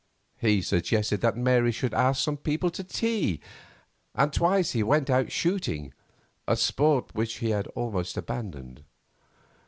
He suggested that Mary should ask some people to tea, and twice he went out shooting, a sport which he had almost abandoned.